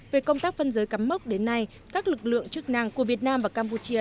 về công tác phân giới cắm mốc đến nay các lực lượng chức năng của việt nam và campuchia